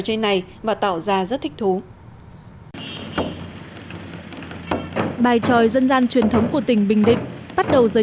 trên này và tạo ra rất thích thú bài tròi dân gian truyền thống của tỉnh bình định bắt đầu giới